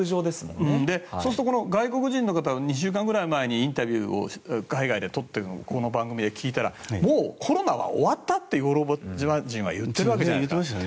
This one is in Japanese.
外国人の方、２週間ぐらい前にインタビューを海外で撮ってこの番組で聞いたらもうコロナは終わったってヨーロッパ人は言っているわけじゃないですか。